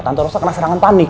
tante rosa kena serangan panik